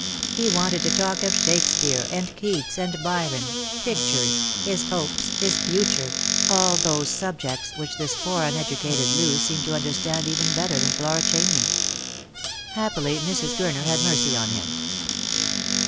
He wanted to talk of Shakespeare and Keats and Byron, pictures, his hopes, his future — all those subjects which this poor uneducated Loo seemed to understand even better than Flora Chamney. Happily Mrs. Gurner had mercy on him.